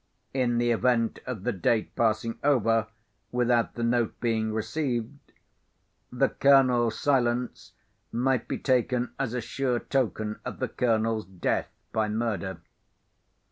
In the event of the date passing over without the note being received, the Colonel's silence might be taken as a sure token of the Colonel's death by murder.